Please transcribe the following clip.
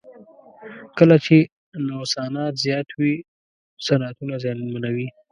کله چې نوسانات زیات وي صنعتونه زیانمنوي.